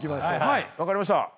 はい分かりました。